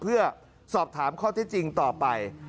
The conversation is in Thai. เพื่อสอบถามข้อที่จริงต่อไป